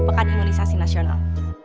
pekan indonesia sinasional